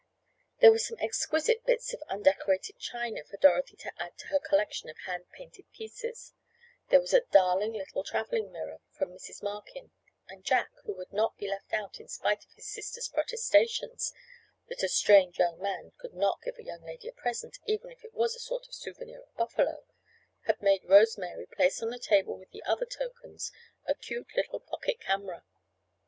There were some exquisite bits of undecorated china for Dorothy to add to her collection of hand painted pieces, there was a "darling" little traveling mirror from Mrs. Markin, and Jack, who would not be left out in spite of his sister's protestations that a strange young man could not give a young lady a present even if it was a sort of souvenir of Buffalo, had made Rose Mary place on the table with the other tokens a cute little pocket camera.